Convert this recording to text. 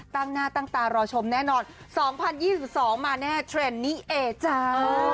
ตั้งหน้าตั้งตารอชมแน่นอน๒๐๒๒มาแน่เทรนด์นี่เอจ้า